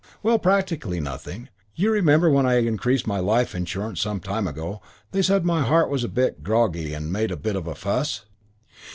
"Well, practically nothing. You remember when I increased my life insurance some time ago they said my heart was a bit groggy and made a bit of a fuss?